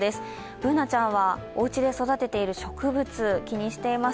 Ｂｏｏｎａちゃんはおうちで育てている植物、気にしています。